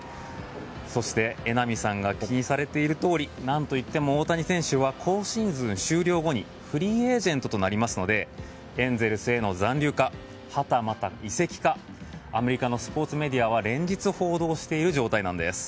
そして、榎並さんが気にされているとおり何といっても大谷選手は今シーズン終了後にフリーエージェントとなりますのでエンゼルスへの残留かはたまた移籍かアメリカのスポーツメディアは連日報道している状態です。